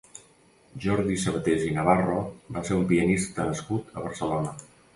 Jordi Sabatés i Navarro va ser un pianista nascut a Barcelona.